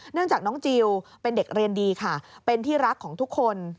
จากน้องจิลเป็นเด็กเรียนดีค่ะเป็นที่รักของทุกคน